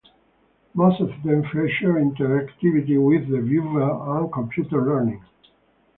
Most of them feature interactivity with the viewer and computer learning.